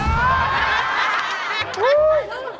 รถเสีย